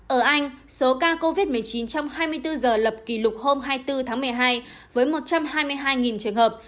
ở anh số ca covid một mươi chín trong hai mươi bốn giờ lập kỷ lục hôm hai mươi bốn tháng một mươi hai với một trăm hai mươi hai trường hợp